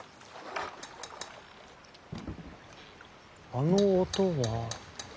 ・あの音は。